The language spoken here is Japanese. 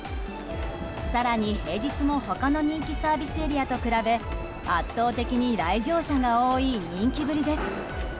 更に、平日も他の人気サービスエリアと比べ圧倒的に来場者が多い人気ぶりです。